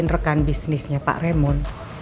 pake rekam bisnisnya pak raymond